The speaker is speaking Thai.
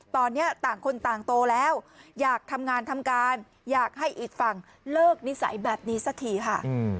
ตอนนี้ต่างคนต่างโตแล้วอยากทำงานทำการอยากให้อีกฝั่งเลิกนิสัยแบบนี้สักทีค่ะ